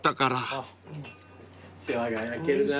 世話が焼けるな。